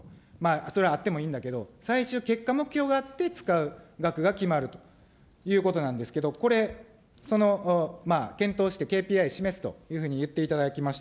それはあってもいいんだけど、最終結果目標があって使う額が決まるということなんですけど、これ、検討して、ＫＰＩ示すというふうに言っていただきました。